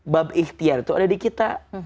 bab ikhtiar itu ada di kita